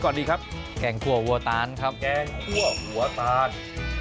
เมนูที่เราวาอยากว่าโรงคง